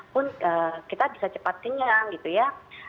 pun kita bisa cepat kenyang gitu ya